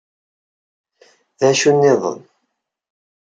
Dacu nniḍen?